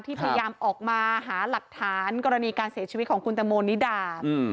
พยายามออกมาหาหลักฐานกรณีการเสียชีวิตของคุณตังโมนิดา